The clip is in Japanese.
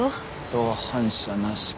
同伴者なしか。